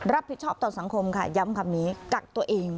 รับผิดชอบต่อสังคมค่ะย้ำคำนี้กักตัวเอง